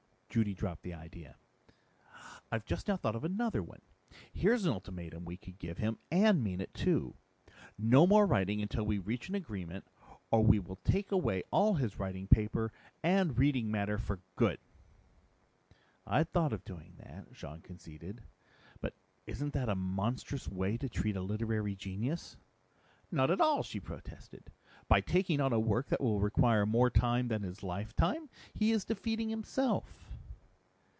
Judy dropped the idea. "I've just now thought of another one. Here's an ultimatum we could give him and mean it, too. No more writing until we reach an agreement, or we will take away all his writing paper and reading matter for good!" "I'd thought of doing that," Jean conceded. "But isn't that a monstrous way to treat a literary genius?" "Not at all!" she protested. "By taking on a work that will require more time than his lifetime, he is defeating himself."